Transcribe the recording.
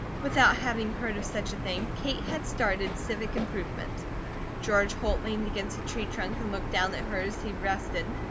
Without having heard of such a thing, Kate had started Civic Improvement. George Holt leaned against a tree trunk and looked down at her as he rested.